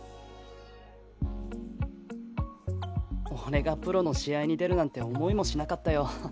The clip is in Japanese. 俺がプロの試合に出るなんて思いもしなかったよ。